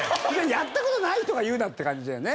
やった事ない人が言うなって感じだよね。